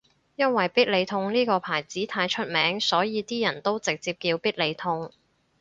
因為必理痛呢個牌子太出名所以啲人都直接叫必理痛